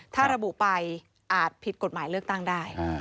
ถ้าระบุไปอาจผิดกฎหมายเลือกตั้งได้